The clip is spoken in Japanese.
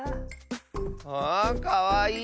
あかわいい！